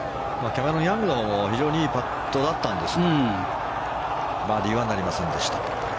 キャメロン・ヤングも非常にいいパットだったんですがバーディーはなりませんでした。